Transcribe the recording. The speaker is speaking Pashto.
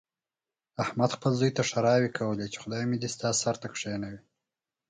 احمد خپل زوی ته ښېراوې کولې، چې خدای مې دې ستا سر ته کېنوي.